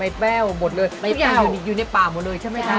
ใบเป้าหมดเลยทุกอย่างอยู่ในป่าหมดเลยใช่ไหมคะ